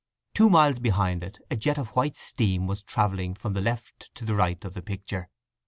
Two miles behind it a jet of white steam was travelling from the left to the right of the picture.